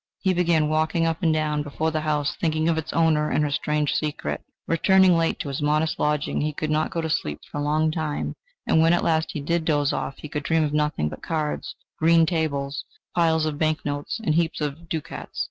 He began walking up and down before the house, thinking of its owner and her strange secret. Returning late to his modest lodging, he could not go to sleep for a long time, and when at last he did doze off, he could dream of nothing but cards, green tables, piles of banknotes and heaps of ducats.